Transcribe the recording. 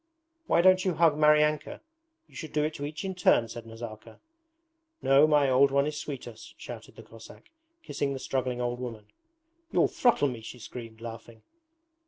'Why don't you hug Maryanka? You should do it to each in turn,' said Nazarka. 'No, my old one is sweeter,' shouted the Cossack, kissing the struggling old woman. 'You'll throttle me,' she screamed, laughing.